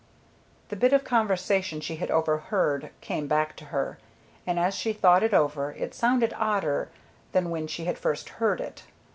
The bit of conversation she had overheard came back to her, and as she thought it over it sounded odder than when she had first heard it.